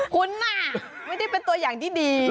คุณน่ะไม่ได้เป็นตัวอย่างที่ดี